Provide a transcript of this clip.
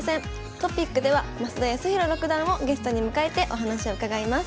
トピックでは増田康宏六段をゲストに迎えてお話を伺います。